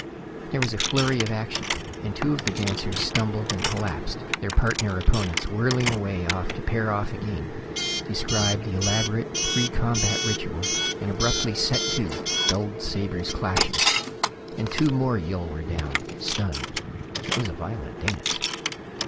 There was a flurry of action, and two of the dancers stumbled and collapsed, their partner opponents whirling away to pair off again, describe the elaborate pre combat ritual, and abruptly set to, dulled sabres clashing and two more Yill were down, stunned. It was a violent dance.